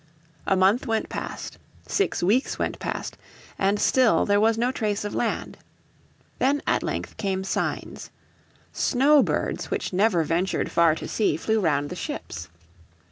A month went past, six weeks went past, and still there was no trace of land. Then at length came signs. Snow birds which never ventured far to sea flew round the ships.